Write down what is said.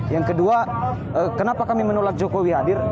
yang kedua kenapa kami menolak jokowi hadir